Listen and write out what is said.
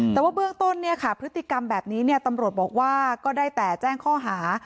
แต่ว่าเบื้องต้นพฤติกรรมแบบนี้ตำรวจบอกว่าก็ได้แต่แจ้งข้อหา